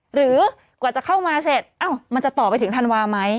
หรือกว่าจะเข้ามาเสร็จมันจะต่อไปถึงธันวาไหม